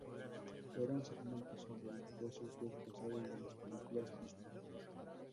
Era un segmento sobre las voces del pasado de las películas Disney.